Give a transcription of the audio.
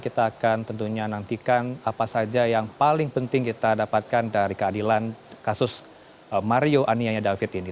kita akan tentunya nantikan apa saja yang paling penting kita dapatkan dari keadilan kasus mario aniaya david ini